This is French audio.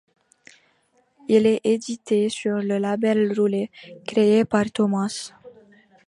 Il est édité sur le label Roulé, créé par Thomas.